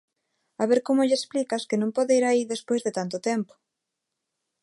A ver como lles explicas que non poder ir aí despois de tanto tempo.